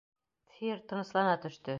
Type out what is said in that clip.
Тһир тыныслана төштө: